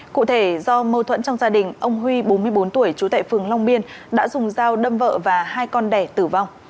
cụ thể do mâu thuẫn trong gia đình ông huy bốn mươi bốn tuổi trú tại phường long biên đã dùng dao đâm vợ và hai con đẻ tử vong